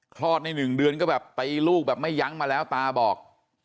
คลอดได้๑เดือนก็แบบตีลูกแบบไม่ยั้งมาแล้วตาบอก